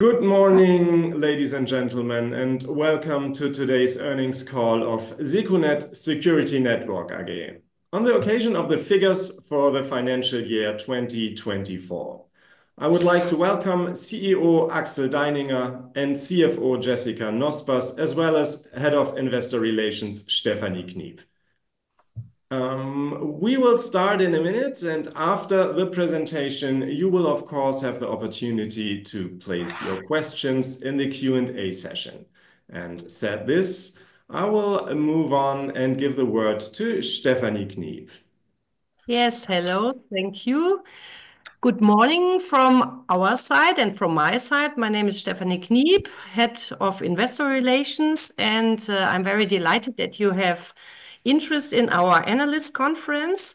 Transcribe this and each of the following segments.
Good morning, ladies and gentlemen, and welcome to today's earnings call of secunet Security Networks AG. On the occasion of the figures for the financial year 2024, I would like to welcome CEO Axel Deininger and CFO Jessica Nospers, as well as Head of Investor Relations, Stephanie Kniep. We will start in a minute, and after the presentation, you will of course have the opportunity to place your questions in the Q&A session. Said this, I will move on and give the word to Stephanie Kniep. Yes. Hello. Thank you. Good morning from our side and from my side. My name is Stephanie Kniep, Head of Investor Relations. I'm very delighted that you have interest in our analyst conference.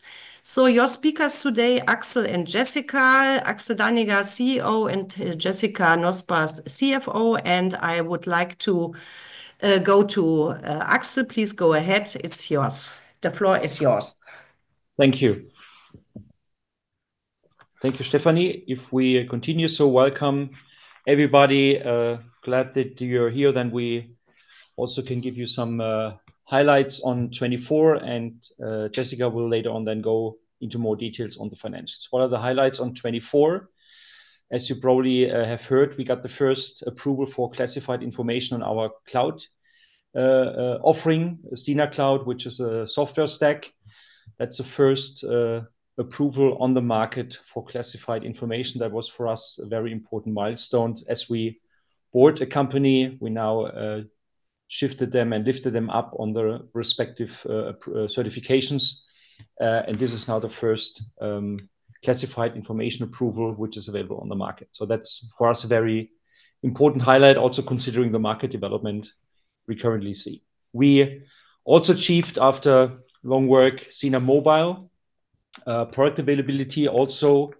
Your speakers today, Axel and Jessica. Axel Deininger, CEO, and Jessica Nospers, CFO. I would like to go to Axel. Please go ahead. It's yours. The floor is yours. Thank you. Thank you, Stephanie. If we continue, welcome, everybody. Glad that you're here, we also can give you some highlights on 2024 and Jessica will later on go into more details on the financials. What are the highlights on 2024? As you probably have heard, we got the first approval for classified information on our cloud offering, SINA Cloud, which is a software stack. That's the first approval on the market for classified information. That was for us a very important milestone as we bought a company, we now shifted them and lifted them up on the respective certifications. This is now the first classified information approval which is available on the market. That's for us a very important highlight also considering the market development we currently see. We also achieved after long work, SINA Mobile product availability, also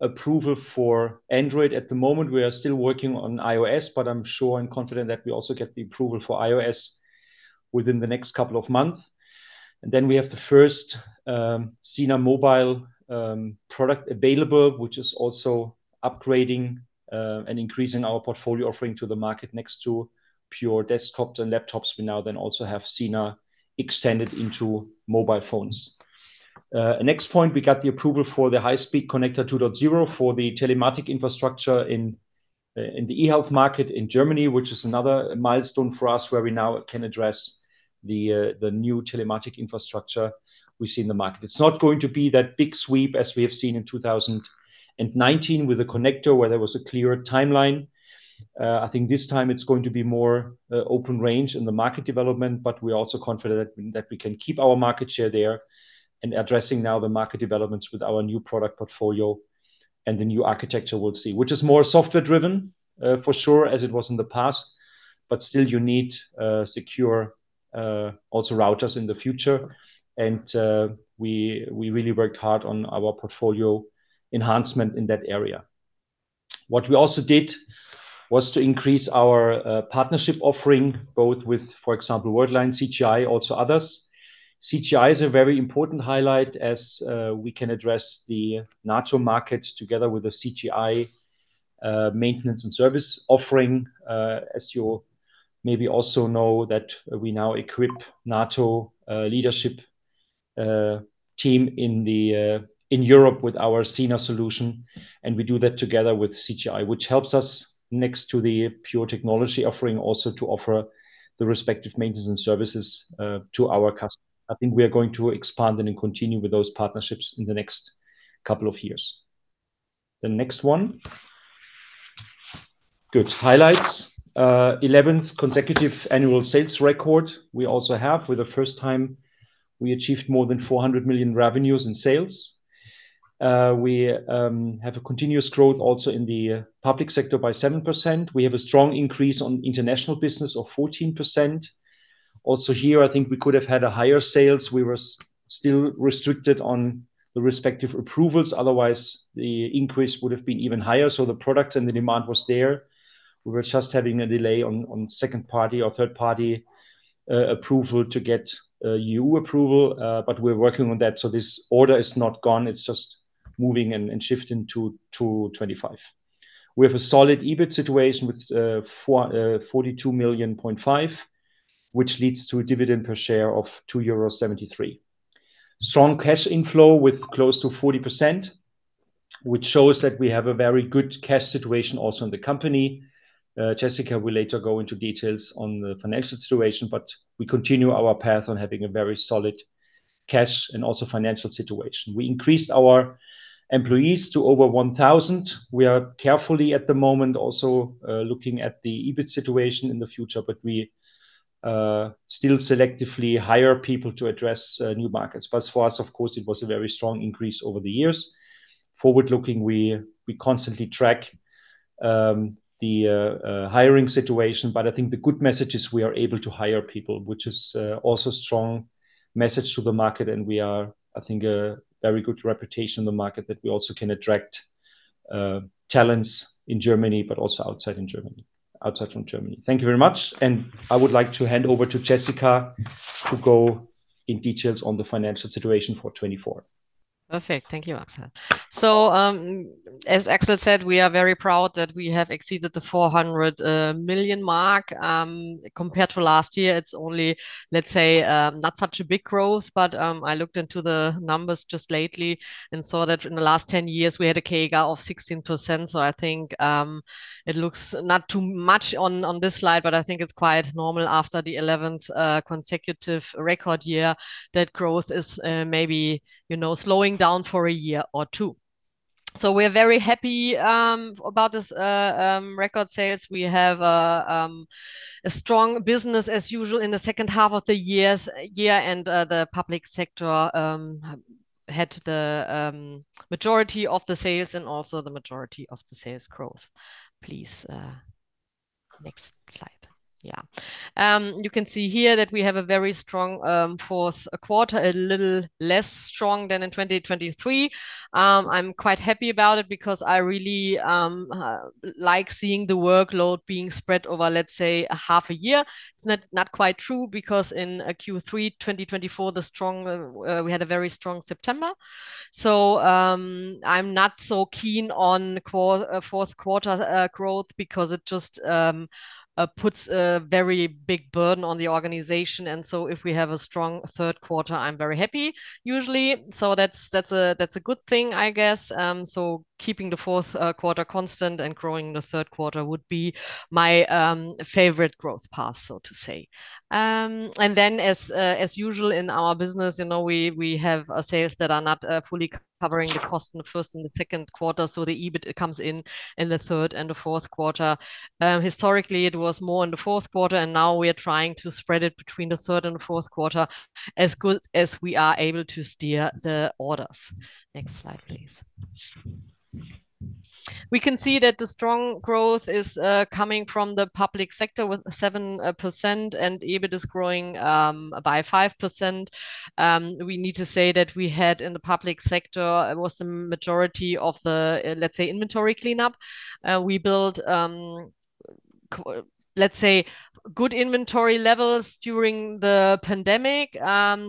approval for Android. At the moment, we are still working on iOS, but I'm sure and confident that we also get the approval for iOS within the next couple of months. Then we have the first SINA Mobile product available, which is also upgrading and increasing our portfolio offering to the market next to pure desktops and laptops. We now then also have SINA extended into mobile phones. Next point, we got the approval for the Highspeedkonnektor 2.0 for the telematics infrastructure in the eHealth market in Germany, which is another milestone for us where we now can address the new telematics infrastructure we see in the market. It's not going to be that big sweep as we have seen in 2019 with the connector where there was a clearer timeline. I think this time it's going to be more open range in the market development, but we're also confident that we can keep our market share there and addressing now the market developments with our new product portfolio and the new architecture we'll see, which is more software driven for sure as it was in the past. Still you need secure also routers in the future. We really worked hard on our portfolio enhancement in that area. What we also did was to increase our partnership offering, both with, for example, Worldline, CGI, also others. CGI is a very important highlight as we can address the NATO market together with the CGI maintenance and service offering. As you maybe also know that we now equip NATO leadership team in Europe with our SINA solution, and we do that together with CGI, which helps us next to the pure technology offering also to offer the respective maintenance and services to our customers. I think we are going to expand and then continue with those partnerships in the next couple of years. The next one. Good. Highlights. 11th consecutive annual sales record we also have. For the first time, we achieved more than 400 million revenues in sales. We have a continuous growth also in the public sector by 7%. We have a strong increase on international business of 14%. Here, I think we could have had a higher sales. We were still restricted on the respective approvals, otherwise the increase would have been even higher. The product and the demand was there. We were just having a delay on second party or third party approval to get EU approval. We're working on that. This order is not gone. It's just moving and shifting to 2025. We have a solid EBIT situation with 42.5 million, which leads to a dividend per share of 2.73 euro. Strong cash inflow with close to 40%, which shows that we have a very good cash situation also in the company. Jessica will later go into details on the financial situation, we continue our path on having a very solid cash and also financial situation. We increased our employees to over 1,000. We are carefully at the moment also looking at the EBIT situation in the future, but we still selectively hire people to address new markets. For us, of course, it was a very strong increase over the years. Forward looking, we constantly track the hiring situation. I think the good message is we are able to hire people, which is also strong message to the market and we are, I think, a very good reputation in the market that we also can attract talents in Germany but also outside from Germany. Thank you very much. I would like to hand over to Jessica to go in details on the financial situation for 2024. Perfect. Thank you, Axel. As Axel said, we are very proud that we have exceeded the 400 million mark. Compared to last year, it's only, let's say, not such a big growth, but I looked into the numbers just lately and saw that in the last 10 years we had a CAGR of 16%. I think it looks not too much on this slide, but I think it's quite normal after the 11th consecutive record year that growth is maybe, you know, slowing down for a year or two. We're very happy about this record sales. We have a strong business as usual in the second half of the year and the public sector had the majority of the sales and also the majority of the sales growth. Please, next slide. Yeah. You can see here that we have a very strong fourth quarter, a little less strong than in 2023. I'm quite happy about it because I really like seeing the workload being spread over, let's say, a half a year. It's not quite true because in Q3 2024 the strong, we had a very strong September. I'm not so keen on fourth quarter growth because it just puts a very big burden on the organization, if we have a strong third quarter, I'm very happy usually. That's a good thing, I guess. Keeping the fourth quarter constant and growing the third quarter would be my favorite growth path, so to say. As usual in our business, you know, we have sales that are not fully covering the cost in the first and the second quarter. The EBIT comes in in the third and the fourth quarter. Historically it was more in the fourth quarter, now we're trying to spread it between the third and fourth quarter as good as we are able to steer the orders. Next slide, please. We can see that the strong growth is coming from the public sector with 7%. EBIT is growing by 5%. We need to say that we had in the public sector, it was the majority of the inventory cleanup. We built good inventory levels during the pandemic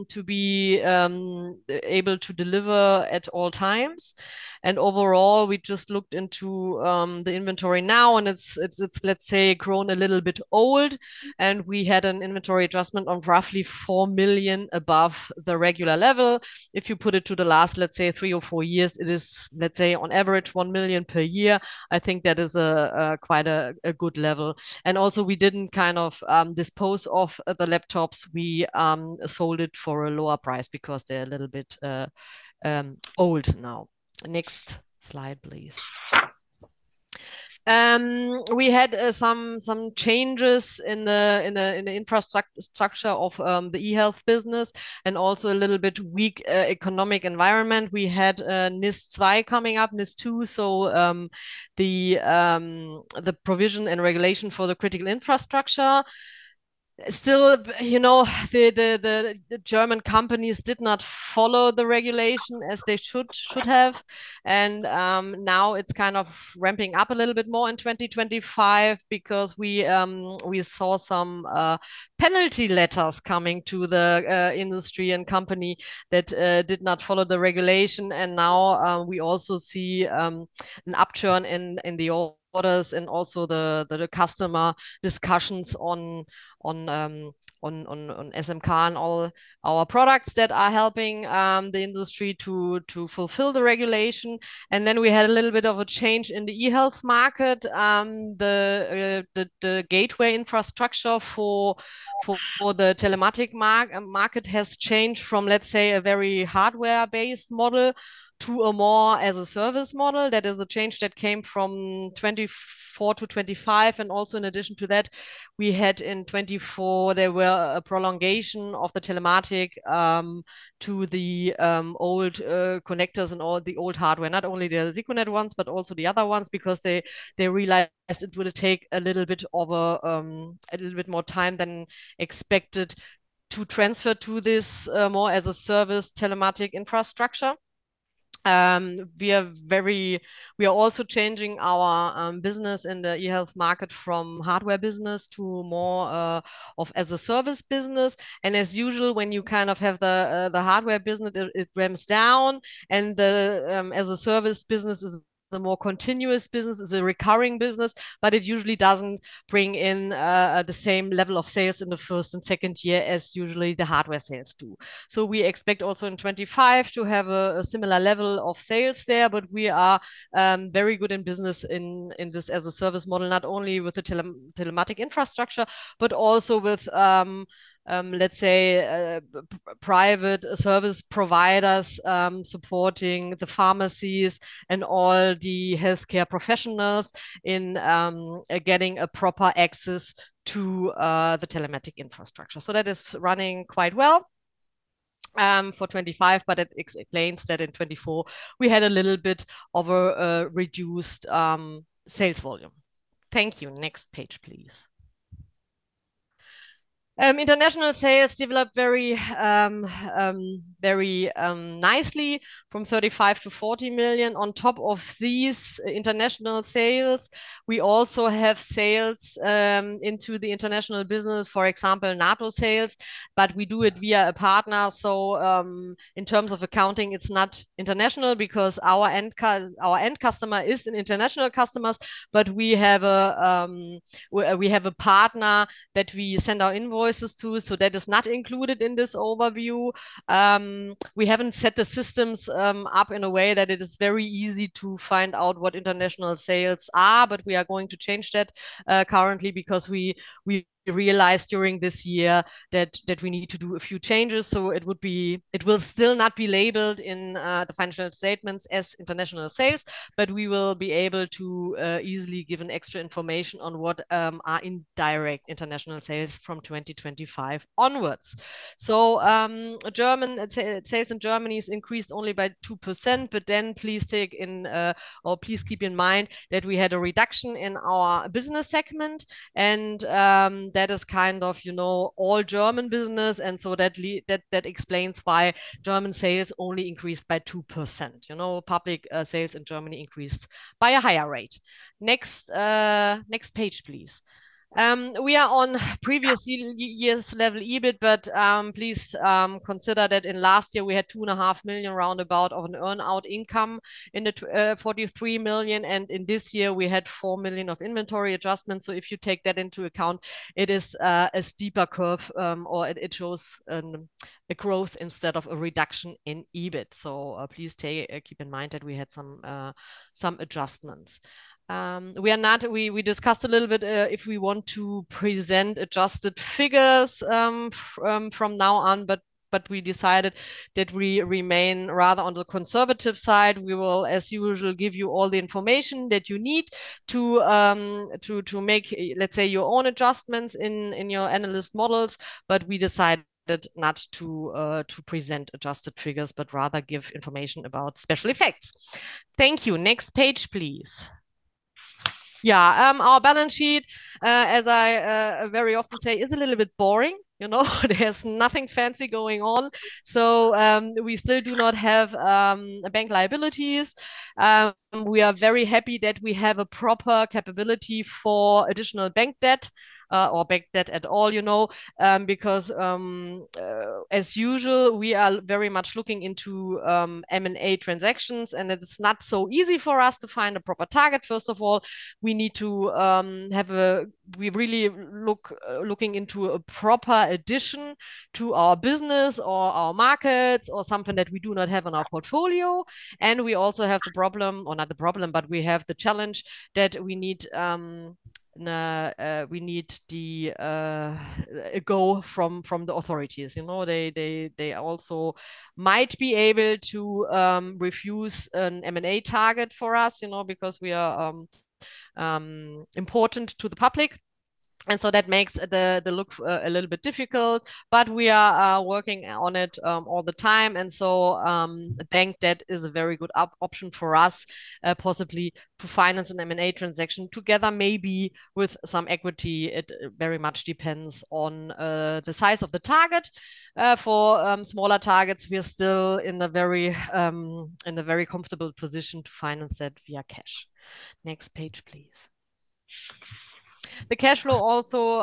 to be able to deliver at all times. Overall, we just looked into the inventory now, and it's, let's say, grown a little bit old and we had an inventory adjustment of roughly 4 million above the regular level. If you put it to the last, let's say, three or four years, it is, let's say, on average 1 million per year. I think that is quite a good level. Also, we didn't kind of dispose of the laptops. We sold it for a lower price because they're a little bit old now. Next slide, please. We had some changes in the infrastructure of the eHealth business and also a little bit weak economic environment. We had NIS2 coming up, so the provision and regulation for the critical infrastructure. Still, you know, the German companies did not follow the regulation as they should have. Now it's kind of ramping up a little bit more in 2025 because we saw some penalty letters coming to the industry and company that did not follow the regulation. Now we also see an upturn in the orders and also the customer discussions on SMK and all our products that are helping the industry to fulfill the regulation. Then we had a little bit of a change in the eHealth market. The gateway infrastructure for the telematics market has changed from, let's say, a very hardware-based model to a more as-a-service model. That is a change that came from 2024 to 2025. Also in addition to that, we had in 2024, there were a prolongation of the telematics to the old connectors and all the old hardware, not only the Secunet ones, but also the other ones because they realized it will take a little bit of a little bit more time than expected to transfer to this more as-a-service telematics infrastructure. We are also changing our business in the eHealth market from hardware business to more of as-a-service business. As usual, when you kind of have the hardware business, it ramps down and the as-a-service business is a more continuous business, is a recurring business, but it usually doesn't bring in the same level of sales in the first and second year as usually the hardware sales do. We expect also in 2025 to have a similar level of sales there, but we are very good in business in this as-a-service model, not only with the telematics infrastructure, but also with private service providers supporting the pharmacies and all the healthcare professionals in getting a proper access to the telematics infrastructure. That is running quite well for 2025, but it explains that in 2024 we had a little bit of a reduced sales volume. Thank you. Next page, please. International sales developed very nicely from 35 million-40 million. On top of these international sales, we also have sales into the international business, for example, NATO sales, but we do it via a partner. In terms of accounting, it's not international because our end customer is an international customer, but we have a partner that we send our invoices to, so that is not included in this overview. We haven't set the systems up in a way that it is very easy to find out what international sales are, but we are going to change that currently because we realized during this year that we need to do a few changes. It will still not be labeled in the financial statements as international sales, but we will be able to easily give an extra information on what are indirect international sales from 2025 onwards. German sales in Germany has increased only by 2%, please take in or please keep in mind that we had a reduction in our business segment and that is kind of, you know, all German business and that explains why German sales only increased by 2%. You know, public sales in Germany increased by a higher rate. Next page, please. We are on previous years level EBIT, please consider that in last year we had 2.5 million roundabout of an earn-out income in the 43 million, and in this year we had 4 million of inventory adjustments. If you take that into account, it is a steeper curve or it shows a growth instead of a reduction in EBIT. Please take, keep in mind that we had some adjustments. We discussed a little bit if we want to present adjusted figures from now on, but we decided that we remain rather on the conservative side. We will, as usual, give you all the information that you need to make, let's say, your own adjustments in your analyst models, but we decided not to present adjusted figures, but rather give information about special effects. Thank you. Next page, please. Yeah. Our balance sheet, as I very often say, is a little bit boring. You know? There's nothing fancy going on. We still do not have bank liabilities. We are very happy that we have a proper capability for additional bank debt or bank debt at all, you know. Because, as usual, we are very much looking into M&A transactions, and it's not so easy for us to find a proper target. First of all, we need to looking into a proper addition to our business or our markets or something that we do not have in our portfolio. We also have the problem, or not the problem, but we have the challenge that we need, we need a go from the authorities. You know, they also might be able to refuse an M&A target for us, you know, because we are important to the public. That makes the look a little bit difficult, but we are working on it all the time. Bank debt is a very good option for us, possibly to finance an M&A transaction together maybe with some equity. It very much depends on the size of the target. For smaller targets, we are still in a very in a very comfortable position to finance that via cash. Next page, please. The cash flow also,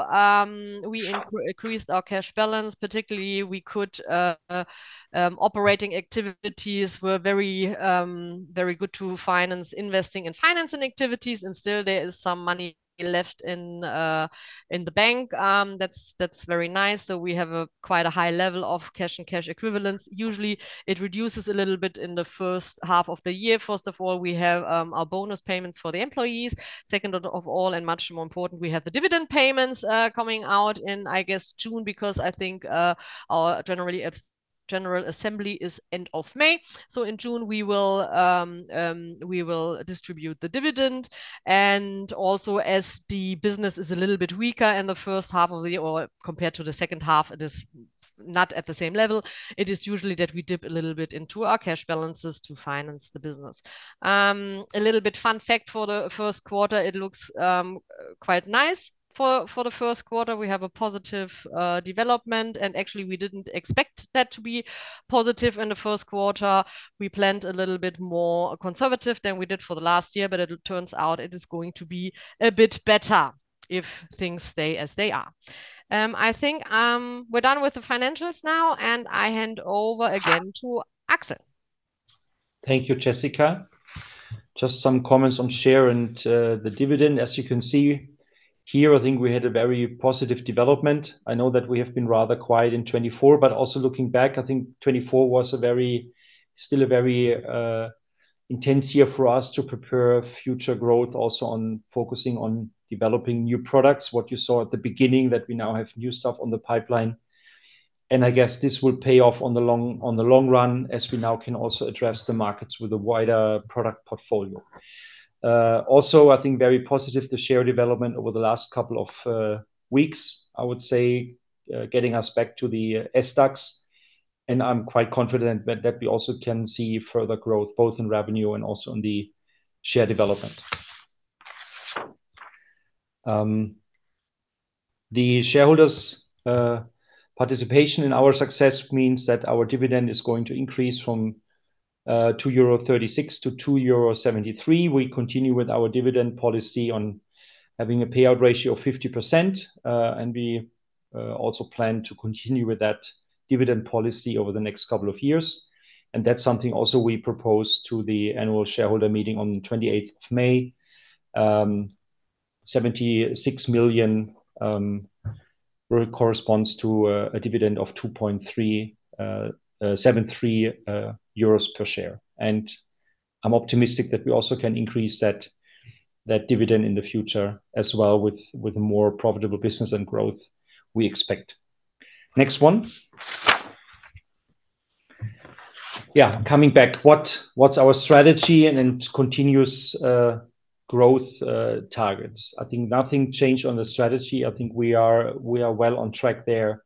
we increased our cash balance, particularly we could operating activities were very good to finance, investing and financing activities, and still there is some money left in the bank. That's very nice. We have a quite a high level of cash and cash equivalents. Usually it reduces a little bit in the first half of the year. First of all, we have our bonus payments for the employees. Second of all, and much more important, we have the dividend payments coming out in, I guess, June because I think our general assembly is end of May. In June we will distribute the dividend. As the business is a little bit weaker in the first half of the year or compared to the second half, it is not at the same level, it is usually that we dip a little bit into our cash balances to finance the business. A little bit fun fact for the first quarter, it looks quite nice for the first quarter. We have a positive development, and actually we didn't expect that to be positive in the first quarter. We planned a little bit more conservative than we did for the last year, but it turns out it is going to be a bit better if things stay as they are. I think we're done with the financials now and I hand over again to Axel. Thank you, Jessica. Just some comments on share and the dividend. As you can see here, I think we had a very positive development. I know that we have been rather quiet in 2024, but also looking back, I think 2024 was still a very intense year for us to prepare future growth also on focusing on developing new products, what you saw at the beginning that we now have new stuff on the pipeline. I guess this will pay off on the long run as we now can also address the markets with a wider product portfolio. I think very positive, the share development over the last couple of weeks, I would say, getting us back to the SDAX, and I'm quite confident that we also can see further growth both in revenue and also in the share development. The shareholders' participation in our success means that our dividend is going to increase from 2.36 euro to 2.73 euro. We continue with our dividend policy on having a payout ratio of 50%. We also plan to continue with that dividend policy over the next couple of years, and that's something also we propose to the annual shareholder meeting on the 28th of May. 76 million corresponds to a dividend of 2.73 euros per share. I'm optimistic that we also can increase that dividend in the future as well with more profitable business and growth we expect. Next one. Coming back. What's our strategy and continuous growth targets? I think nothing changed on the strategy. I think we are well on track there.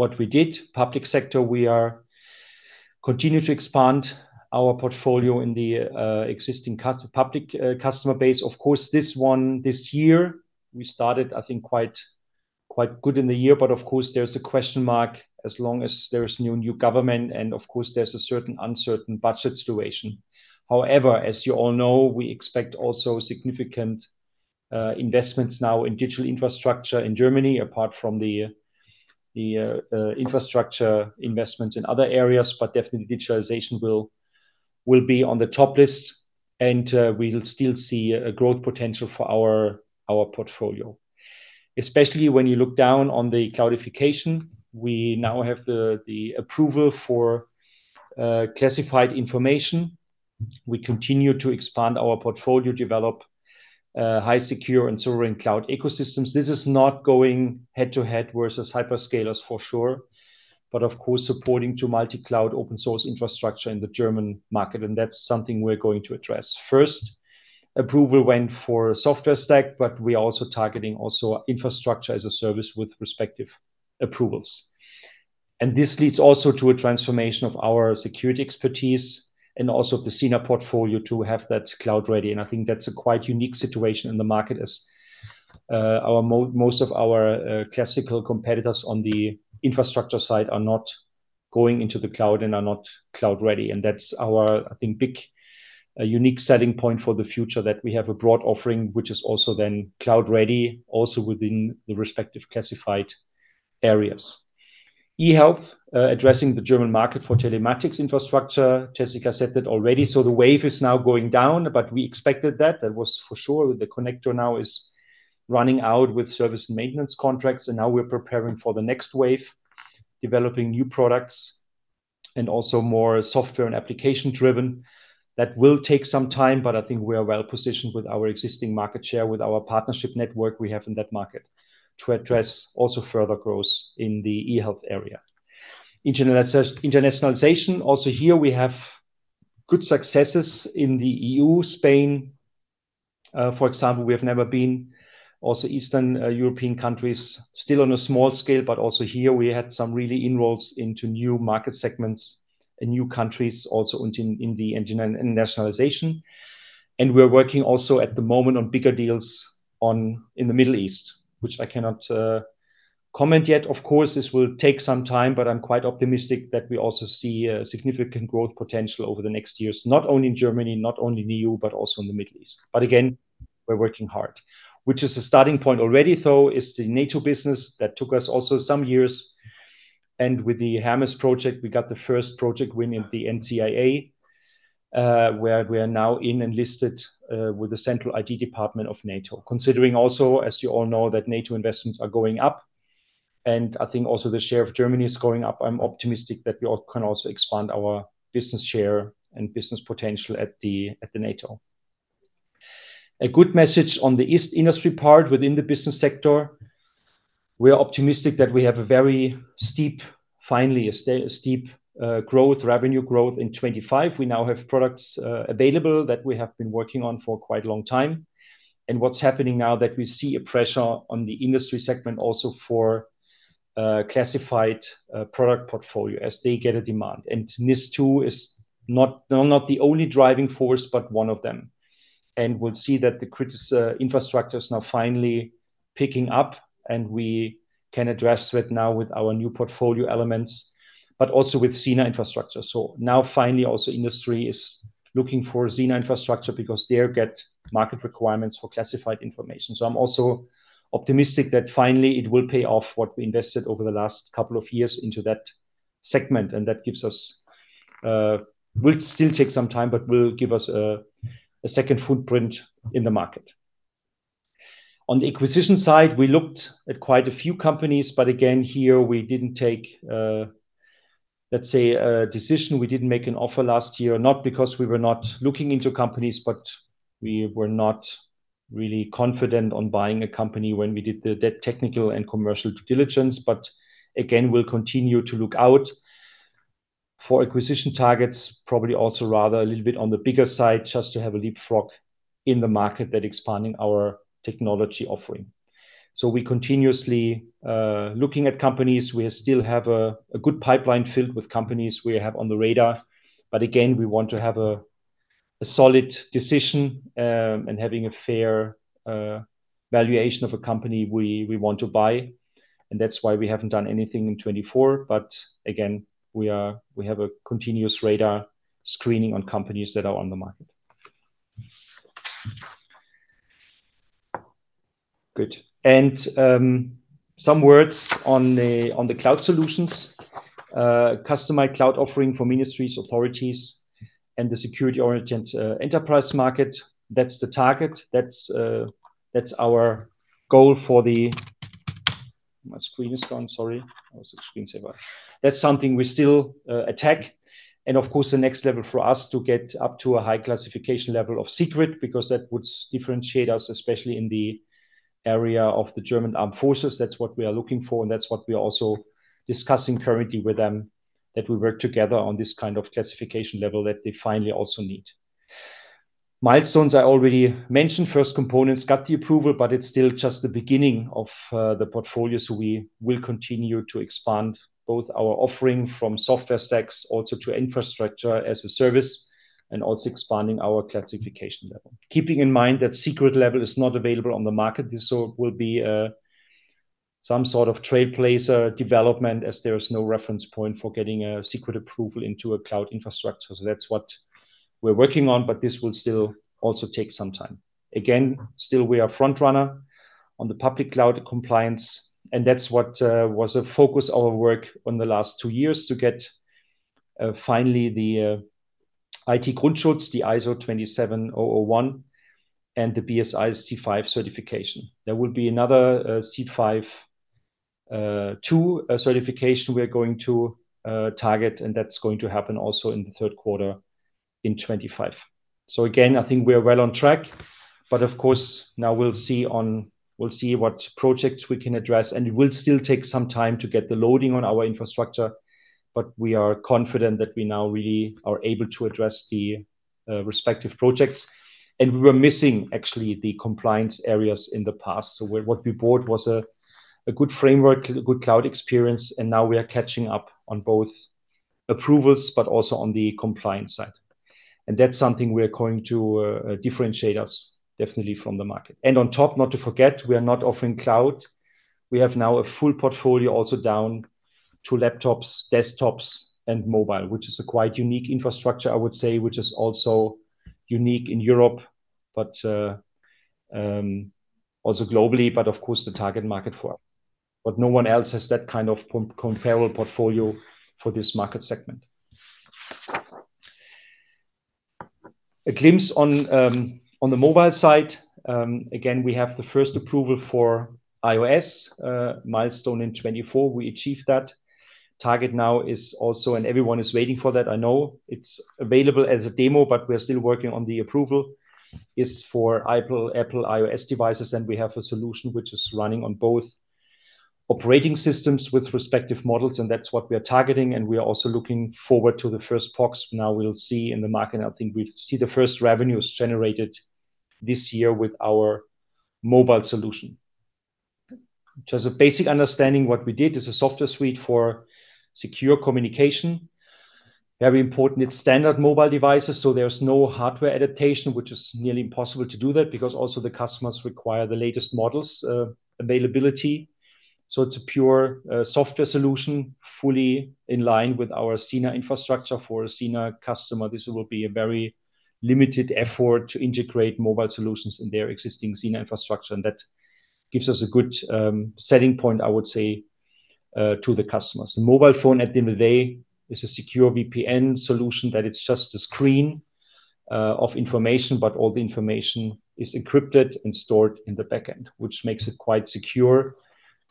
What we did, public sector, we are continue to expand our portfolio in the existing public customer base. Of course, this one this year we started, I think quite good in the year, of course there's a question mark as long as there's new government and of course there's a certain uncertain budget situation. However, as you all know, we expect also significant investments now in digital infrastructure in Germany apart from the infrastructure investments in other areas. Definitely digitalization will be on the top list and we'll still see a growth potential for our portfolio. Especially when you look down on the cloudification. We now have the approval for classified information. We continue to expand our portfolio, develop high secure and sovereign cloud ecosystems. This is not going head-to-head versus hyperscalers for sure, but of course supporting multi-cloud open source infrastructure in the German market, and that's something we're going to address. First approval went for software stack, but we are also targeting infrastructure as a service with respective approvals. This leads also to a transformation of our security expertise and also of the SINA portfolio to have that cloud ready, and I think that's a quite unique situation in the market as our most of our classical competitors on the infrastructure side are not going into the cloud and are not cloud ready, and that's our, I think, big unique selling point for the future that we have a broad offering which is also then cloud ready also within the respective classified areas. eHealth addressing the German market for telematics infrastructure. Jessica said that already. The wave is now going down, but we expected that. That was for sure. The Highspeedkonnektor now is running out with service and maintenance contracts. Now we're preparing for the next wave, developing new products and also more software and application driven. That will take some time, but I think we are well positioned with our existing market share, with our partnership network we have in that market to address also further growth in the eHealth area. Internationalization also here we have good successes in the EU, Spain, for example, we have never been. Also Eastern European countries still on a small scale, but also here we had some really inroads into new market segments and new countries also in the internationalization. We're working also at the moment on bigger deals in the Middle East, which I cannot comment yet. Of course this will take some time, but I'm quite optimistic that we also see a significant growth potential over the next years, not only in Germany, not only in EU, but also in the Middle East. Again, we're working hard. Which is a starting point already though is the NATO business that took us also some years and with the HERMES project we got the first project win in the NCIA, where we are now in and listed with the central ID department of NATO. Considering also, as you all know, that NATO investments are going up and I think also the share of Germany is going up. I'm optimistic that we all can also expand our business share and business potential at the NATO. A good message on the East industry part within the business sector, we are optimistic that we have a very steep, finally a steep growth, revenue growth in 2025. We now have products available that we have been working on for quite a long time. What's happening now that we see a pressure on the industry segment also for classified product portfolio as they get a demand. NIS2 is not, not the only driving force, but one of them. We'll see that the infrastructure is now finally picking up and we can address that now with our new portfolio elements, but also with SINA infrastructure. Now finally also industry is looking for SINA infrastructure because they'll get market requirements for classified information. I'm also optimistic that finally it will pay off what we invested over the last couple of years into that segment, and that gives us, will still take some time, but will give us a second footprint in the market. On the acquisition side, we looked at quite a few companies. Again, here we didn't take a decision. We didn't make an offer last year, not because we were not looking into companies. We were not really confident on buying a company when we did that technical and commercial due diligence. Again, we'll continue to look out for acquisition targets. Probably also rather a little bit on the bigger side just to have a leapfrog in the market that expanding our technology offering. We continuously looking at companies. We still have a good pipeline filled with companies we have on the radar. Again, we want to have a solid decision and having a fair valuation of a company we want to buy. That's why we haven't done anything in 2024. Again, we have a continuous radar screening on companies that are on the market. Good. Some words on the cloud solutions. Customized cloud offering for ministries, authorities and the security-oriented enterprise market. That's the target. That's that's our goal. My screen is gone. Sorry. I was on screensaver. That's something we still attack. Of course, the next level for us to get up to a high classification level of secret because that would differentiate us, especially in the area of the German armed forces. That's what we are looking for, and that's what we are also discussing currently with them, that we work together on this kind of classification level that they finally also need. Milestones I already mentioned, first components got the approval, but it's still just the beginning of the portfolio. We will continue to expand both our offering from software stacks also to infrastructure as a service and also expanding our classification level. Keeping in mind that secret level is not available on the market, this all will be some sort of trailblazer development as there is no reference point for getting a secret approval into a cloud infrastructure. That's what we're working on, but this will still also take some time. Again, still we are front runner on the public cloud compliance, and that's what was a focus our work on the last two years to get finally the IT-Grundschutz, the ISO 27001 and the BSI C5 certification. There will be another C5 2 certification we are going to target, and that's going to happen also in the third quarter in 2025. Again, I think we are well on track. Of course, now we'll see what projects we can address, and it will still take some time to get the loading on our infrastructure. We are confident that we now really are able to address the respective projects. We were missing actually the compliance areas in the past. What we bought was a good framework, good cloud experience, and now we are catching up on both approvals, but also on the compliance side. That's something we are going to differentiate us definitely from the market. On top, not to forget, we are not offering cloud. We have now a full portfolio also down to laptops, desktops and mobile, which is a quite unique infrastructure, I would say, which is also unique in Europe, also globally, but of course, the target market for us. No one else has that kind of comparable portfolio for this market segment. A glimpse on the mobile side. Again, we have the first approval for iOS, milestone in 2024. We achieved that. Target now is also, and everyone is waiting for that, I know. It's available as a demo, but we are still working on the approval for Apple iOS devices. We have a solution which is running on both operating systems with respective models, and that's what we are targeting, and we are also looking forward to the first PoCs. We'll see in the market, I think we'll see the first revenues generated this year with our mobile solution. Just a basic understanding what we did is a software suite for secure communication. Very important, it's standard mobile devices, so there's no hardware adaptation, which is nearly impossible to do that because also the customers require the latest models, availability. It's a pure software solution fully in line with our SINA infrastructure. For a SINA customer, this will be a very limited effort to integrate mobile solutions in their existing SINA infrastructure, that gives us a good setting point, I would say, to the customers. The mobile phone at the end of the day is a secure VPN solution that it's just a screen of information, but all the information is encrypted and stored in the back end, which makes it quite secure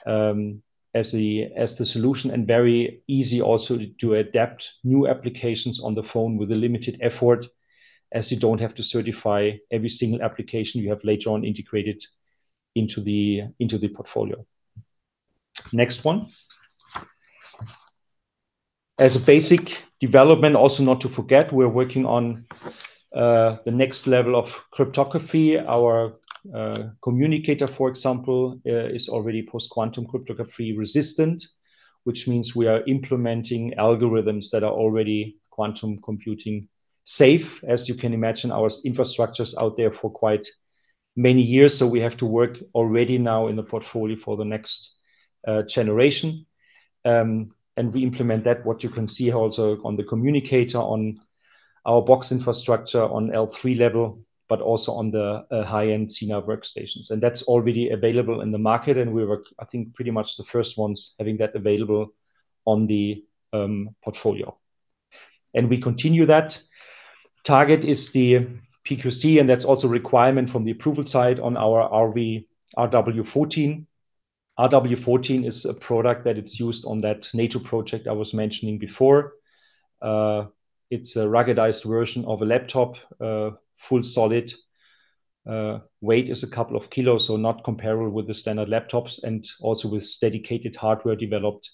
as the solution and very easy also to adapt new applications on the phone with a limited effort as you don't have to certify every single application you have later on integrated into the portfolio. Next one. As a basic development, also not to forget, we're working on the next level of cryptography. Our communicator, for example, is already post-quantum cryptography resistant, which means we are implementing algorithms that are already quantum computing safe. As you can imagine, our infrastructure's out there for quite many years. We have to work already now in the portfolio for the next generation. We implement that, what you can see also on the communicator, on our box infrastructure, on L3 level, but also on the high-end SINA Workstations. That's already available in the market, and we were, I think, pretty much the first ones having that available on the portfolio. We continue that. Target is the PQC, and that's also a requirement from the approval side on our RW14. RW14 is a product that it's used on that NATO project I was mentioning before. It's a ruggedized version of a laptop, full solid. Weight is a couple of kilos, so not comparable with the standard laptops and also with dedicated hardware developed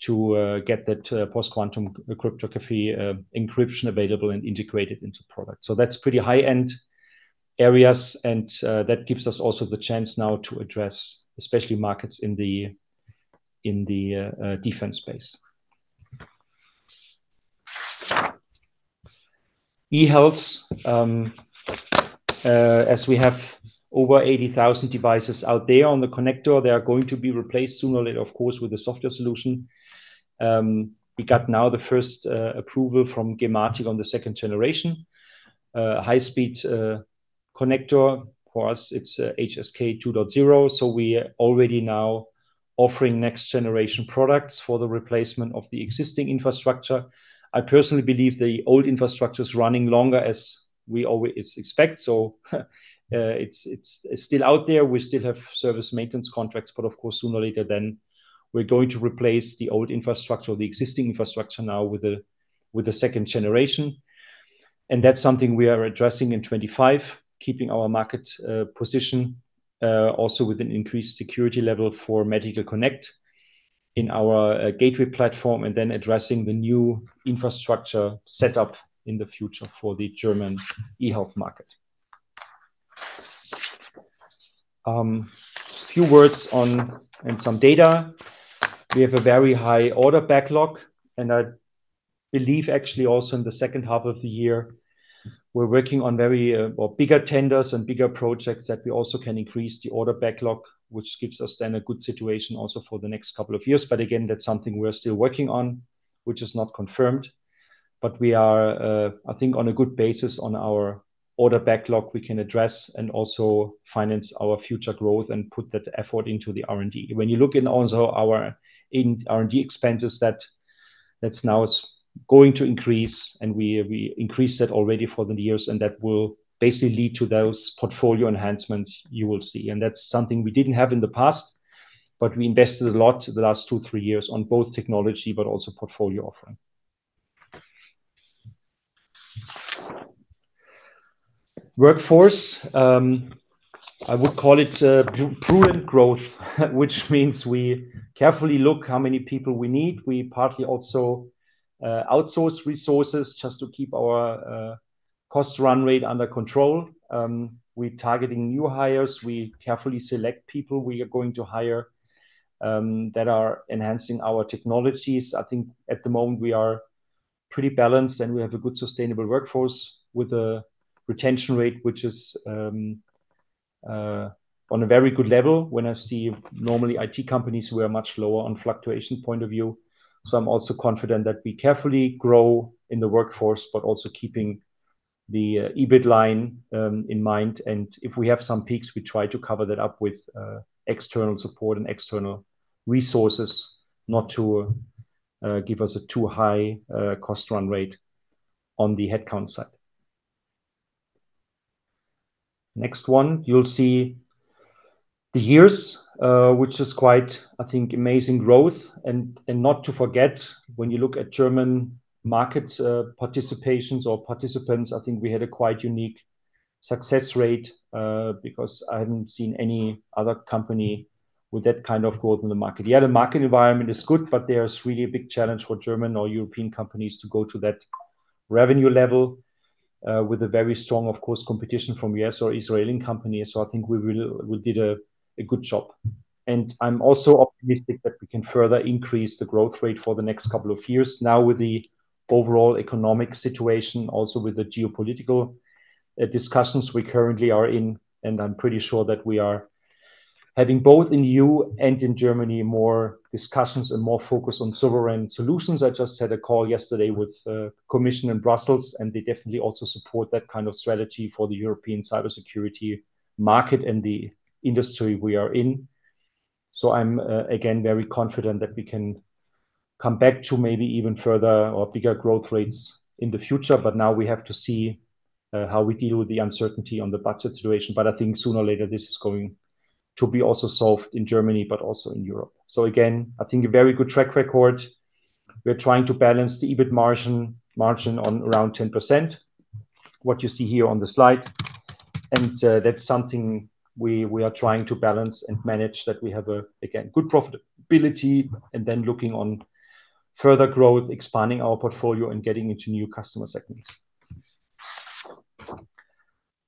to get that post-quantum cryptography encryption available and integrated into product. That's pretty high-end areas, and that gives us also the chance now to address especially markets in the defense space. eHealth, as we have over 80,000 devices out there on the connector, they are going to be replaced sooner or later, of course, with a software solution. We got now the first approval from gematik on the second generation. Highspeedkonnektor. For us it's HSK 2.0, so we already now offering next generation products for the replacement of the existing infrastructure. I personally believe the old infrastructure's running longer as we always expect, so it's still out there. We still have service maintenance contracts, of course sooner or later then we're going to replace the old infrastructure or the existing infrastructure now with the second generation. That's something we are addressing in 2025, keeping our market position also with an increased security level for Highspeedkonnektor in our gateway platform and then addressing the new infrastructure set up in the future for the German eHealth market. Few words on and some data. We have a very high order backlog. I believe actually also in the second half of the year we are working on very or bigger tenders and bigger projects that we also can increase the order backlog, which gives us then a good situation also for the next couple of years. Again, that's something we're still working on, which is not confirmed. We are, I think on a good basis on our order backlog we can address and also finance our future growth and put that effort into the R&D. When you look in also our in R&D expenses, that's now going to increase, we increased it already for the years. That will basically lead to those portfolio enhancements you will see. That's something we didn't have in the past, but we invested a lot the last two, three years on both technology but also portfolio offering. Workforce, I would call it prudent growth, which means we carefully look how many people we need. We partly also outsource resources just to keep our cost run rate under control. We're targeting new hires. We carefully select people we are going to hire that are enhancing our technologies. I think at the moment we are pretty balanced. We have a good sustainable workforce with a retention rate which is on a very good level when I see normally IT companies who are much lower on fluctuation point of view. I'm also confident that we carefully grow in the workforce, but also keeping the EBIT line in mind. If we have some peaks, we try to cover that up with external support and external resources not to give us a too high cost run rate on the headcount side. Next one you'll see the years, which is quite, I think, amazing growth. Not to forget, when you look at German market participations or participants, I think we had a quite unique success rate because I haven't seen any other company with that kind of growth in the market yet. The market environment is good, but there's really a big challenge for German or European companies to go to that revenue level with a very strong, of course, competition from U.S. or Israeli companies. I think we really did a good job. I'm also optimistic that we can further increase the growth rate for the next couple of years now with the overall economic situation, also with the geopolitical discussions we currently are in. I'm pretty sure that we are having both in E.U. and in Germany more discussions and more focus on sovereign solutions. I just had a call yesterday with commission in Brussels. They definitely also support that kind of strategy for the European cybersecurity market and the industry we are in. I'm again very confident that we can come back to maybe even further or bigger growth rates in the future. Now we have to see how we deal with the uncertainty on the budget situation. I think sooner or later this is going to be also solved in Germany but also in Europe. Again, I think a very good track record. We're trying to balance the EBIT margin on around 10%, what you see here on the slide. That's something we are trying to balance and manage that we have a, again, good profitability and then looking on further growth, expanding our portfolio and getting into new customer segments.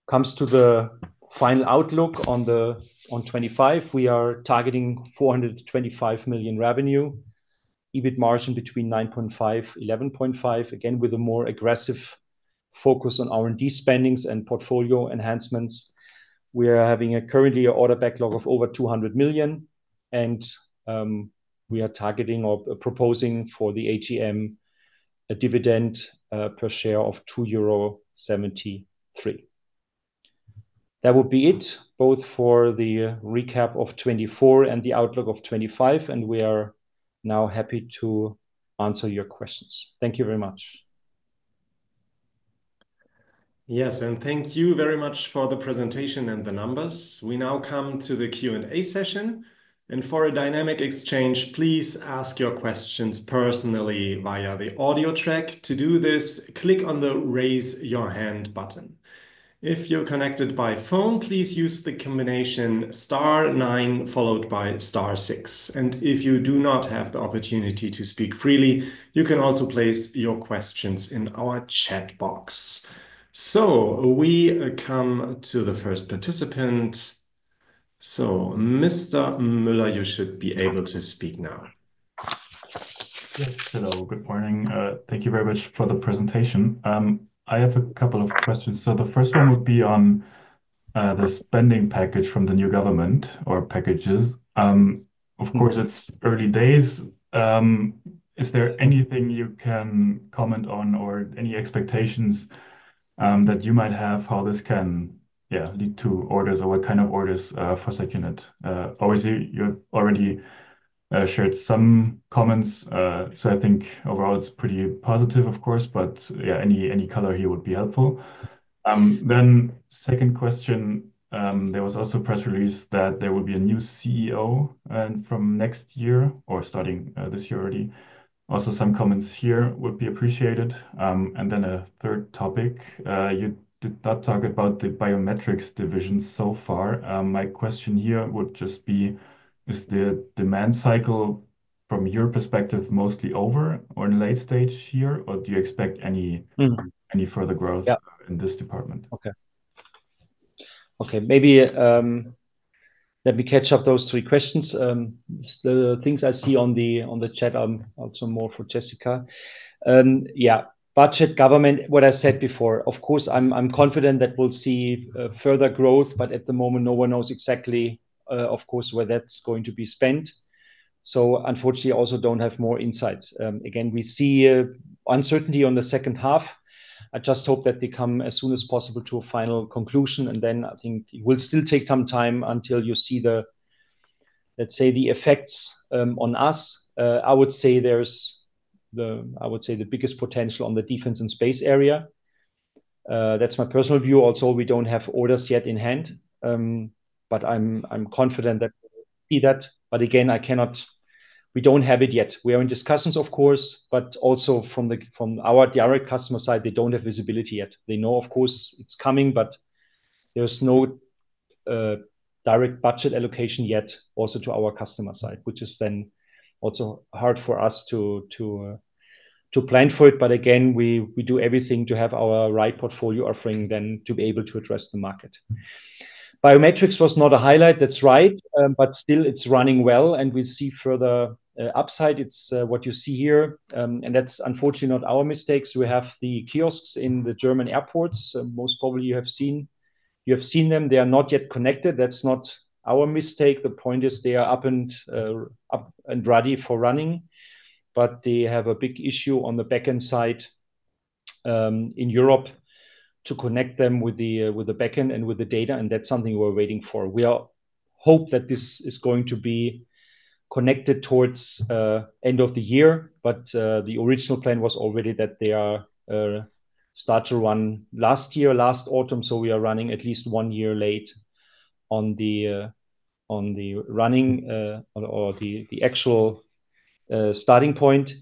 Comes to the final outlook on 2025. We are targeting 400 million-425 million revenue, EBIT margin between 9.5%, 11.5%, again, with a more aggressive focus on R&D spendings and portfolio enhancements. We are having currently a order backlog of over 200 million, and we are targeting or proposing for the AGM a dividend per share of 2.73 euro. That would be it both for the recap of 2024 and the outlook of 2025. We are now happy to answer your questions. Thank you very much. Yes, thank you very much for the presentation and the numbers. We now come to the Q&A session. For a dynamic exchange, please ask your questions personally via the audio track. To do this, click on the raise your hand button. If you're connected by phone, please use the combination star nine followed by star six. If you do not have the opportunity to speak freely, you can also place your questions in our chat box. We come to the first participant. Mr. Müller, you should be able to speak now. Yes. Hello. Good morning. Thank you very much for the presentation. I have a couple of questions. The first one would be on the spending package from the new government or packages. Of course, it's early days. Is there anything you can comment on or any expectations that you might have how this can lead to orders or what kind of orders for Secunet? Obviously, you already shared some comments. I think overall it's pretty positive, of course, but any color here would be helpful. Second question. There was also a press release that there will be a new CEO from next year or starting this year already. Some comments here would be appreciated. A third topic. You did not talk about the biometrics division so far. My question here would just be, is the demand cycle from your perspective mostly over or in late stage here or do you expect? Mm... any further growth- Yeah in this department? Okay. Okay. Maybe, let me catch up those three questions. The things I see on the, on the chat, also more for Jessica. Yeah, budget government, what I said before, of course I'm confident that we'll see further growth, but at the moment no one knows exactly, of course, where that's going to be spent. Unfortunately I also don't have more insights. Again, we see uncertainty on the second half. I just hope that they come as soon as possible to a final conclusion and then I think it will still take some time until you see the, let's say, the effects on us. I would say there's the, I would say the biggest potential on the defense and space area. That's my personal view. We don't have orders yet in hand, but I'm confident that. We don't have it yet. We are in discussions, of course, from our direct customer side, they don't have visibility yet. They know of course it's coming, there's no direct budget allocation yet also to our customer side, which is then also hard for us to plan for it. We do everything to have our right portfolio offering then to be able to address the market. Biometrics was not a highlight, that's right. Still it's running well and we'll see further upside. It's what you see here. That's unfortunately not our mistakes. We have the kiosks in the German airports, most probably you have seen. You have seen them. They are not yet connected. That's not our mistake. The point is they are up and up and ready for running, but they have a big issue on the backend side in Europe to connect them with the backend and with the data and that's something we're waiting for. We all hope that this is going to be connected towards end of the year. The original plan was already that they are start to run last year, last autumn. We are running at least one year late on the running or the actual starting point.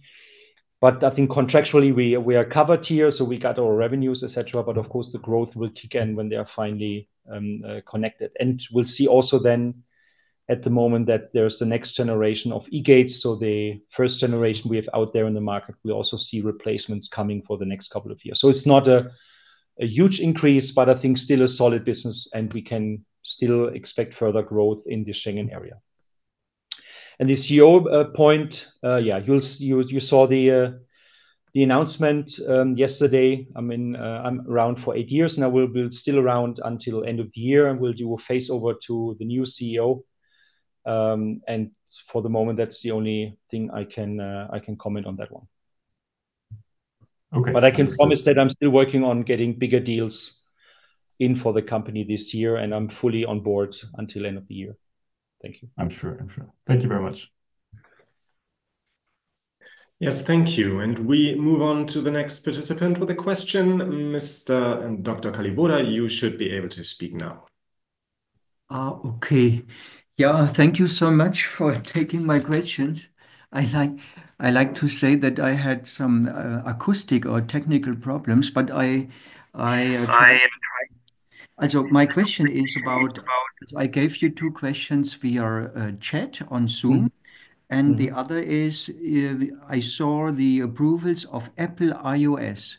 I think contractually we are covered here, so we got our revenues, et cetera. Of course, the growth will kick in when they are finally connected. We'll see also then at the moment that there's the next generation of eGates. The first generation we have out there in the market, we also see replacements coming for the next couple of years. It's not a huge increase, but I think still a solid business and we can still expect further growth in the Schengen area. The CEO point, yeah, you saw the announcement yesterday. I mean, I'm around for eight years, and I will be still around until end of the year and we'll do a phase over to the new CEO. For the moment, that's the only thing I can comment on that one. Okay. I can promise that I'm still working on getting bigger deals in for the company this year, and I'm fully on board until end of the year. Thank you. I'm sure. I'm sure. Thank you very much. Yes. Thank you. We move on to the next participant with a question. Mr. and Dr. Kalliwoda, you should be able to speak now. Okay. Yeah. Thank you so much for taking my questions. I like to say that I had some acoustic or technical problems. I am trying. My question is about I gave you two questions via chat on Zoom. Mm-hmm. The other is, I saw the approvals of Apple iOS.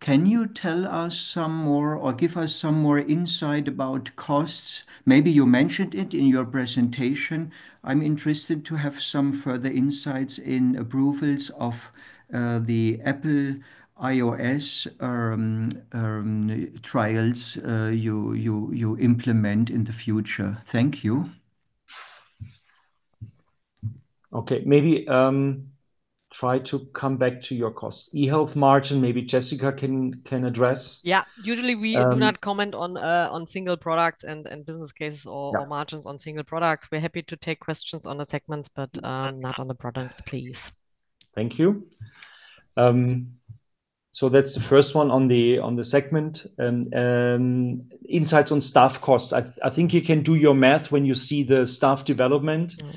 Can you tell us some more or give us some more insight about costs? Maybe you mentioned it in your presentation. I'm interested to have some further insights in approvals of the Apple iOS trials you implement in the future. Thank you. Okay. Maybe, try to come back to your costs. eHealth margin, maybe Jessica can address. Yeah. Usually. Um... do not comment on single products and business cases. Yeah... or margins on single products. We're happy to take questions on the segments, but not on the products, please. Thank you. That's the first one on the segment. Insights on staff costs. I think you can do your math when you see the staff development. Mm-hmm.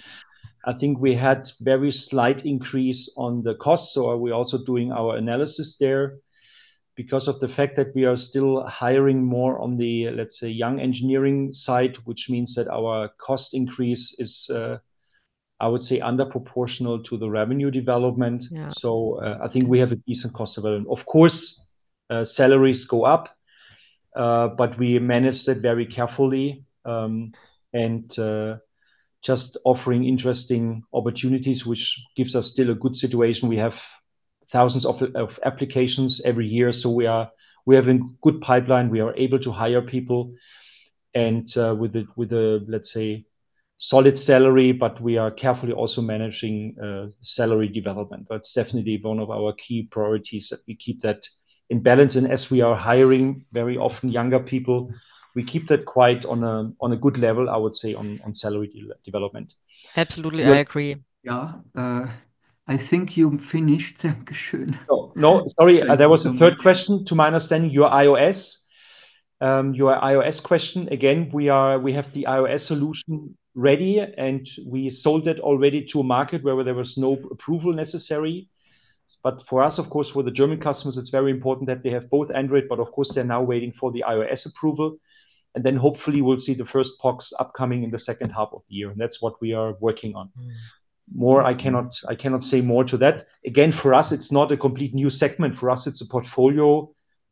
I think we had very slight increase on the costs, so are we also doing our analysis there because of the fact that we are still hiring more on the, let's say, young engineering side, which means that our cost increase is, I would say under proportional to the revenue development. Yeah. I think we have a decent cost development. Of course, salaries go up, but we manage that very carefully. Just offering interesting opportunities which gives us still a good situation. We have thousands of applications every year, so we have a good pipeline. We are able to hire people and with a, let's say, solid salary, but we are carefully also managing salary development. That's definitely one of our key priorities, that we keep that in balance. As we are hiring very often younger people, we keep that quite on a good level, I would say, on salary development. Absolutely. I agree. Yeah. I think you finished. No, no. Sorry. There was a third question. To my understanding, your iOS, your iOS question. Again, we have the iOS solution ready, and we sold it already to a market where there was no approval necessary. For us, of course, for the German customers, it's very important that they have both Android, but of course they're now waiting for the iOS approval, and then hopefully we'll see the first PoCs upcoming in the second half of the year, and that's what we are working on. More I cannot say more to that. Again, for us, it's not a complete new segment. For us, it's a portfolio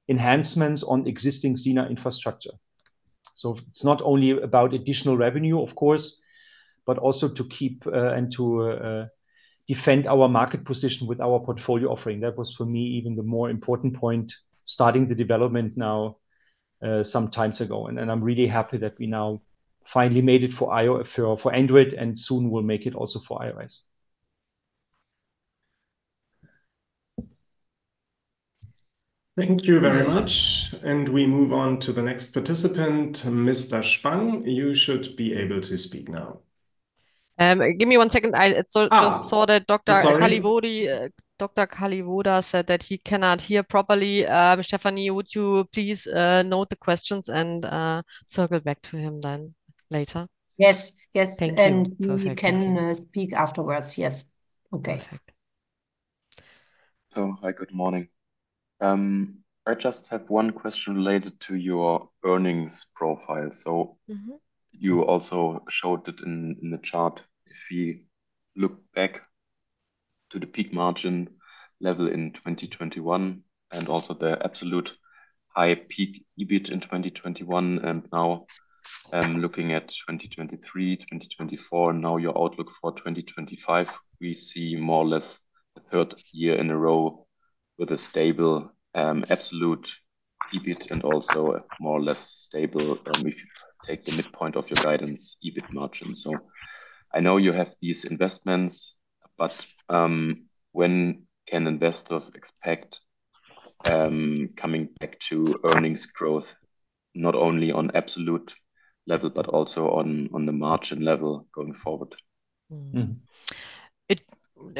enhancements on existing SINA infrastructure. It's not only about additional revenue, of course, but also to keep and to defend our market position with our portfolio offering. That was for me even the more important point starting the development now, some times ago. I'm really happy that we now finally made it for Android, and soon we'll make it also for iOS. Thank you very much. We move on to the next participant. Mr. Spang, you should be able to speak now. Give me one second. Sorry. just saw that Dr. Kalliwoda, Dr. Kalliwoda said that he cannot hear properly. Stephanie Kniep, would you please note the questions and circle back to him then later? Yes, yes. Thank you. Perfect. You can speak afterwards. Yes. Okay. Perfect. Hi, good morning. I just have one question related to your earnings profile. Mm-hmm you also showed it in the chart. If you look back to the peak margin level in 2021 and also the absolute high peak EBIT in 2021 and now, looking at 2023, 2024, now your outlook for 2025, we see more or less the third year in a row with a stable, absolute EBIT and also a more or less stable, if you take the midpoint of your guidance, EBIT margin. I know you have these investments, but when can investors expect coming back to earnings growth, not only on absolute level, but also on the margin level going forward? Mm. Mm.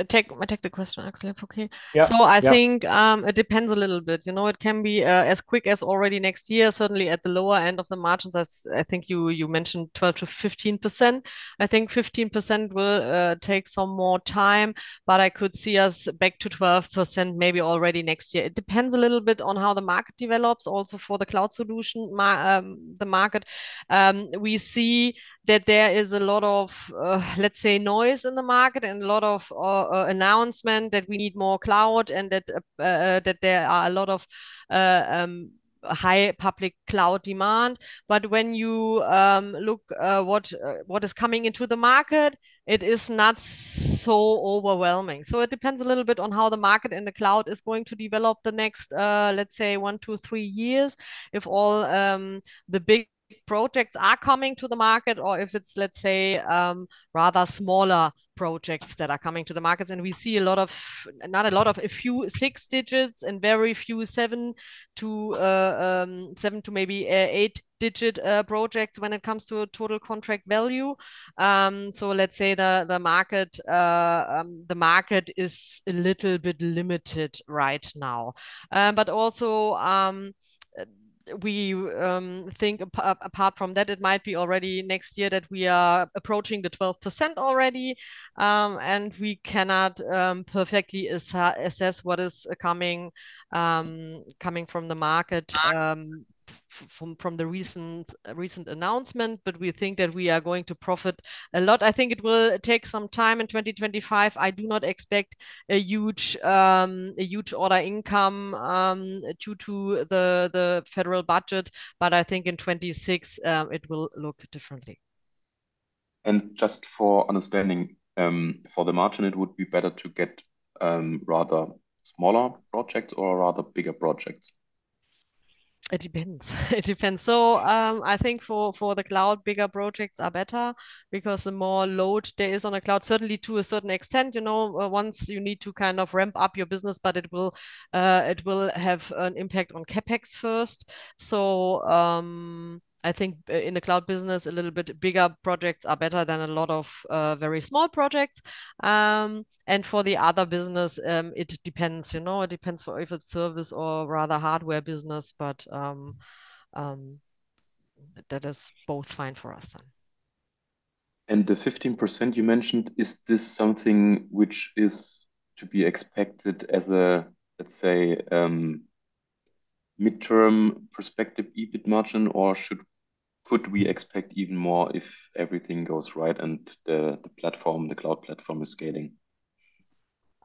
Take the question, Axel. Okay. Yeah, yeah. I think it depends a little bit. You know, it can be as quick as already next year. Certainly at the lower end of the margins as I think you mentioned 12%-15%. I think 15% will take some more time. I could see us back to 12% maybe already next year. It depends a little bit on how the market develops also for the cloud solution market. We see that there is a lot of, let's say, noise in the market and a lot of announcement that we need more cloud and that there are a lot of high public cloud demand. When you look what is coming into the market, it is not so overwhelming. It depends a little bit on how the market and the cloud is going to develop the next, let's say, one to three years. If all the big projects are coming to the market or if it's, let's say, rather smaller projects that are coming to the markets. We see not a lot of, a few six digits and very few seven to maybe eight digit projects when it comes to total contract value. Let's say the market is a little bit limited right now. Also, we think apart from that it might be already next year that we are approaching the 12% already. We cannot perfectly assess what is coming from the market from the recent announcement, but we think that we are going to profit a lot. I think it will take some time in 2025. I do not expect a huge order income due to the federal budget, but I think in 2026, it will look differently. Just for understanding, for the margin it would be better to get rather smaller projects or rather bigger projects? It depends. It depends. I think for the cloud, bigger projects are better because the more load there is on a cloud, certainly to a certain extent, you know, once you need to kind of ramp up your business, but it will have an impact on CapEx first. I think in the cloud business, a little bit bigger projects are better than a lot of very small projects. For the other business, it depends, you know. It depends for if it's service or rather hardware business. That is both fine for us then. The 15% you mentioned, is this something which is to be expected as a, let's say, midterm prospective EBIT margin? Or could we expect even more if everything goes right and the platform, the cloud platform is scaling?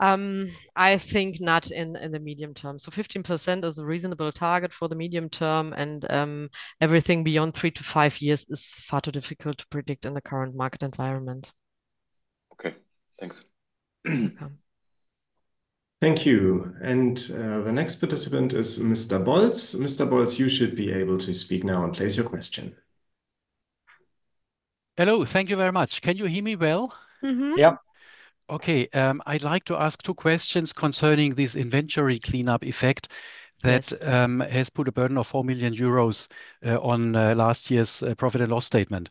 I think not in the medium term. 15% is a reasonable target for the medium term and, everything beyond three to five years is far too difficult to predict in the current market environment. Okay, thanks. Welcome. Thank you. The next participant is Mr. Wolf. Mr. Wolf, you should be able to speak now and place your question. Hello. Thank you very much. Can you hear me well? Mm-hmm. Yeah. Okay. I'd like to ask two questions concerning this inventory cleanup effect. Yes... that, has put a burden of 4 million euros on last year's profit and loss statement.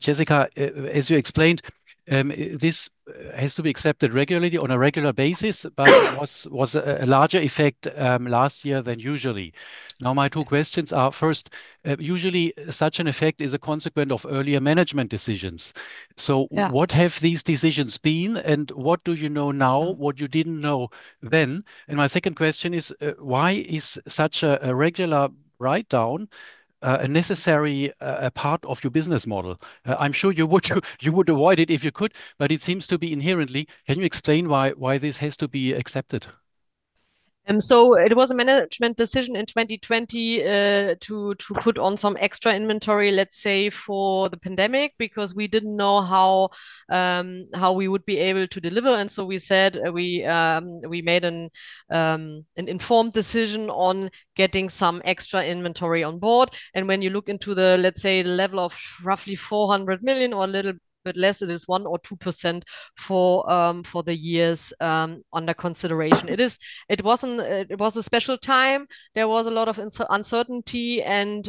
Jessica, as you explained, this has to be accepted regularly on a regular basis, but was a larger effect last year than usually. My two questions are, first, usually such an effect is a consequent of earlier management decisions. Yeah what have these decisions been, and what do you know now what you didn't know then? My second question is, why is such a regular write down a necessary part of your business model? I'm sure you would avoid it if you could, but it seems to be inherently. Can you explain why this has to be accepted? It was a management decision in 2020, to put on some extra inventory, let's say, for the pandemic, because we didn't know how we would be able to deliver. We said, we made an informed decision on getting some extra inventory on board. When you look into the, let's say, the level of roughly 400 million or a little bit less, it is 1% or 2% for the years under consideration. It was a special time. There was a lot of uncertainty and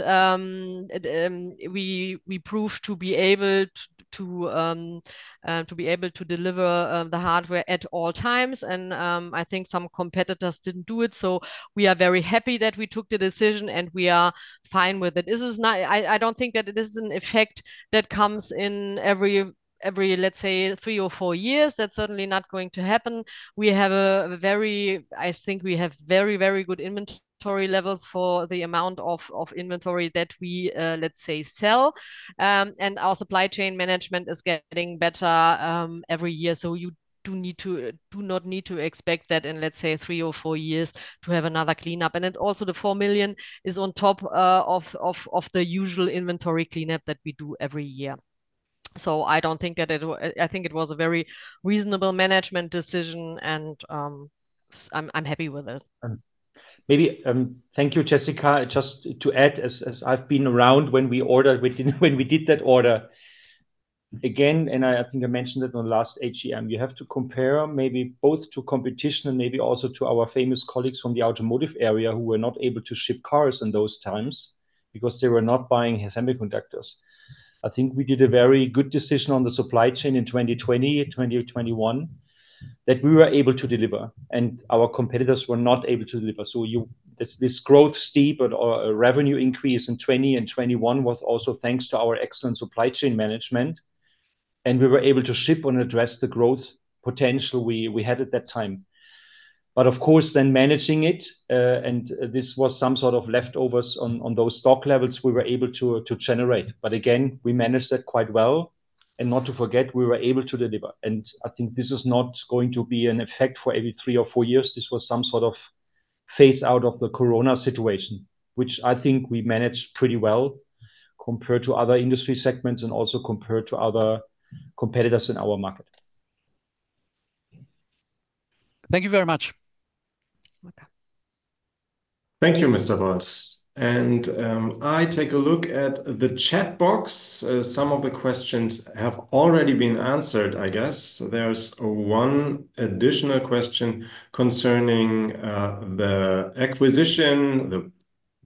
it, we proved to be able to deliver the hardware at all times and I think some competitors didn't do it. We are very happy that we took the decision, and we are fine with it. I don't think that it is an effect that comes in every three or four years. That's certainly not going to happen. I think we have very good inventory levels for the amount of inventory that we sell. Our supply chain management is getting better every year, so you do not need to expect that in three or four years to have another cleanup. Also the 4 million is on top of the usual inventory cleanup that we do every year. I think it was a very reasonable management decision and, I'm happy with it. Thank you, Jessica. Just to add, as I've been around when we ordered when we did that order. Again, I think I mentioned it on last AGM, you have to compare maybe both to competition and maybe also to our famous colleagues from the automotive area who were not able to ship cars in those times because they were not buying semiconductors. I think we did a very good decision on the supply chain in 2020, 2021 that we were able to deliver and our competitors were not able to deliver. This growth steep or a revenue increase in 2020 and 2021 was also thanks to our excellent supply chain management, and we were able to ship and address the growth potential we had at that time. Of course, then managing it, and this was some sort of leftovers on those stock levels we were able to generate. Again, we managed that quite well. Not to forget, we were able to deliver, and I think this is not going to be an effect for every three or four years. This was some sort of phase out of the Corona situation, which I think we managed pretty well compared to other industry segments and also compared to other competitors in our market. Thank you very much. Welcome. Thank you, Mr. Bolz. I take a look at the chat box. Some of the questions have already been answered, I guess. There's one additional question concerning the acquisition, the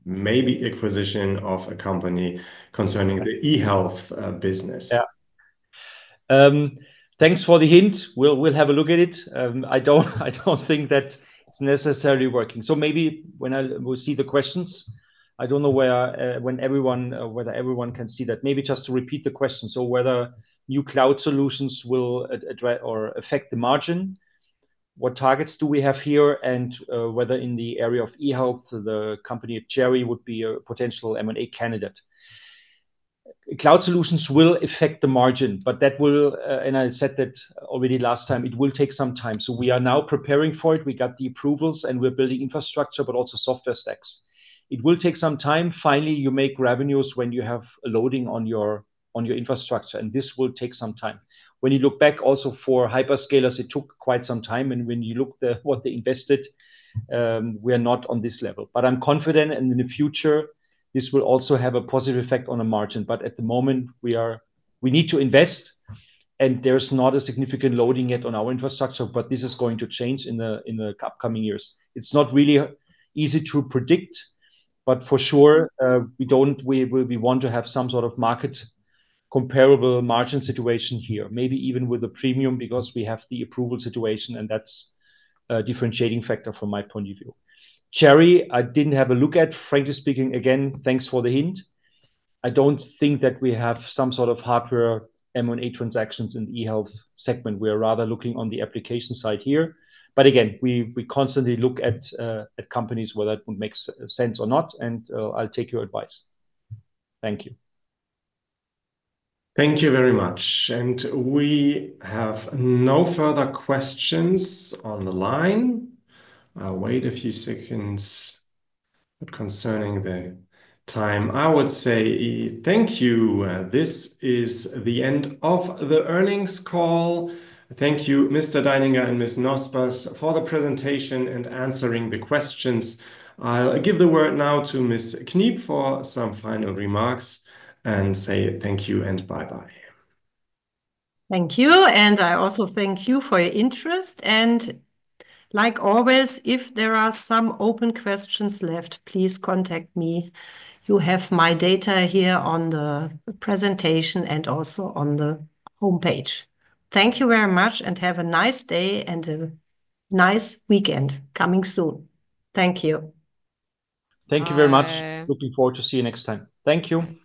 maybe acquisition of a company concerning the eHealth business. Yeah. Thanks for the hint. We'll have a look at it. I don't think that it's necessarily working. Maybe when we'll see the questions. I don't know where, when everyone, whether everyone can see that. Maybe just to repeat the question. Whether new cloud solutions will affect the margin, what targets do we have here, and whether in the area of eHealth, the company of CHerry would be a potential M&A candidate. Cloud solutions will affect the margin, but that will, and I said that already last time, it will take some time. We are now preparing for it. We got the approvals, and we're building infrastructure, but also software stacks. It will take some time. Finally, you make revenues when you have a loading on your infrastructure, and this will take some time. When you look back also for hyperscalers, it took quite some time. When you look what they invested, we are not on this level. I'm confident and in the future this will also have a positive effect on the margin. At the moment we need to invest and there's not a significant loading yet on our infrastructure, but this is going to change in the coming years. It's not really easy to predict, but for sure, we want to have some sort of market comparable margin situation here, maybe even with a premium because we have the approval situation and that's a differentiating factor from my point of view. Gerri, I didn't have a look at, frankly speaking. Thanks for the hint. I don't think that we have some sort of hardware M&A transactions in the eHealth segment. We are rather looking on the application side here. Again, we constantly look at companies whether it would make sense or not, and I'll take your advice. Thank you. Thank you very much. We have no further questions on the line. I'll wait a few seconds. Concerning the time, I would say thank you. This is the end of the earnings call. Thank you, Mr. Deininger and Ms. Nospers for the presentation and answering the questions. I'll give the word now to Ms. Kniep for some final remarks and say thank you and bye-bye. Thank you. I also thank you for your interest. Like always, if there are some open questions left, please contact me. You have my data here on the presentation and also on the homepage. Thank you very much and have a nice day, and a nice weekend coming soon. Thank you. Thank you very much. Bye. Looking forward to see you next time. Thank you.